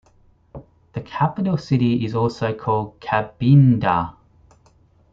The capital city is also called Cabinda.